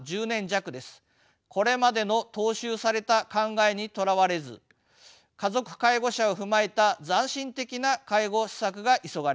これまでの踏襲された考えにとらわれず家族介護者を踏まえた斬新的な介護施策が急がれます。